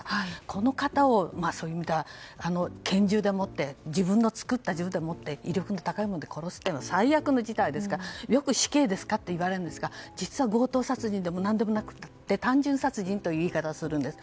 この方をそういう意味では拳銃でもって自分の作った銃でもって威力の高い銃で殺すっていうのは最悪の事態ですからよく死刑ですかといわれるんですが実は強盗殺人でも何でもなくて単純殺人という言い方をするんです。